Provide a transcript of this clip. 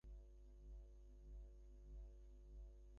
মধ্যাহ্নে ভোরের সুর লাগাতে গেলে আর লাগে না।